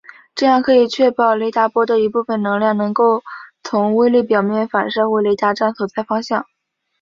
这样可以确保雷达波的一部分能量能够从微粒表面反射回雷达站所在方向。